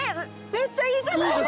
めっちゃいいじゃないですか！